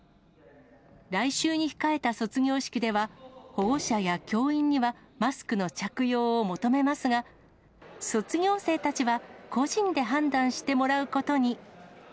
来週に控えた卒業式では、保護者や教員にはマスクの着用を求めますが、卒業生たちは個人で判断してもらうことに。